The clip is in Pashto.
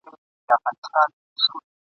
په دې جنګ يې پلار مړ دی !.